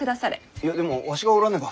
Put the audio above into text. いやでもわしがおらねば。